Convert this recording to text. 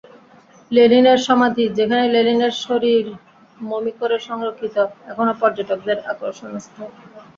লেনিনের সমাধি, যেখানে লেনিনের শরীর মমি করে সংরক্ষিত, এখনো পর্যটকদের আকর্ষণস্থল।